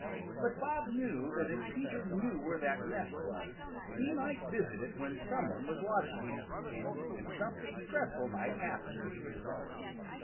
But Bob knew that if Peter knew where that nest was he might visit it when some one was watching him, and something dreadful might happen as a result.